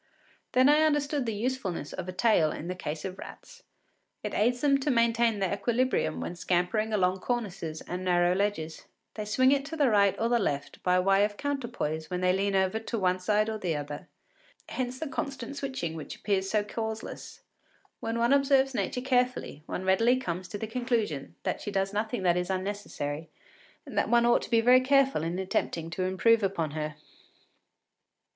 Then I understood the usefulness of a tail in the case of rats: it aids them to maintain their equilibrium when scampering along cornices and narrow ledges. They swing it to the right or the left by way of counterpoise when they lean over to the one side or the other; hence the constant switching which appears so causeless. When one observes Nature carefully, one readily comes to the conclusion that she does nothing that is unnecessary, and that one ought to be very careful in attempting to improve upon her.